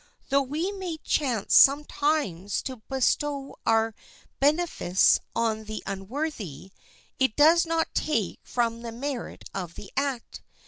Though we may chance sometimes to bestow our beneficence on the unworthy it does not take from the merit of the act.